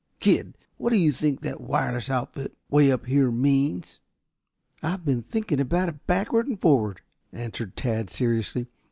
Kid, what do you think that wireless outfit way up here means?" "I have been thinking about it backward and forward," answered Tad seriously.